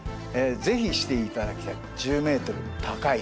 ぜひしていただきたい。